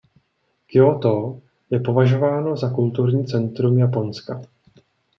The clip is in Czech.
Kjóto je považováno za kulturní centrum Japonska.